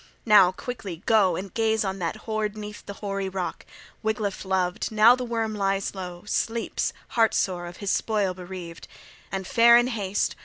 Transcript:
Now quickly go and gaze on that hoard 'neath the hoary rock, Wiglaf loved, now the worm lies low, sleeps, heart sore, of his spoil bereaved. And fare in haste.